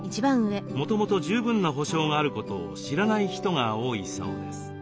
もともと十分な保障があることを知らない人が多いそうです。